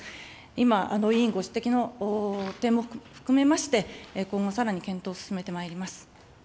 今、委員ご指摘の点も含めまして、今後、さらに検討を進めてまいります。